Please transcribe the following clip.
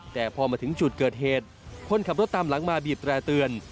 แต่พอมาถึงจุดเกิดเหตุคนขับรถตามหลังมาบีบแตร่เตือน